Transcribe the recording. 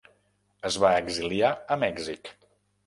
Es va exiliar a Mèxic.